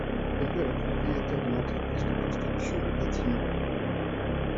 Son père est propriétaire d'une entreprise de construction de bâtiments.